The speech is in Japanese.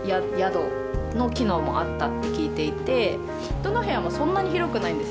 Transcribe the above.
どの部屋もそんなに広くないんです。